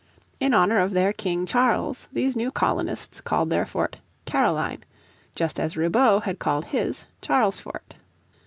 In honour of their King Charles these new colonists called their fort Caroline, just as Ribaut had called his Charlesfort.